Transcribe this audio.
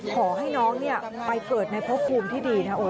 ขอให้น้องเนี่ยไปเกิดในควบคุมที่ดีนะโอ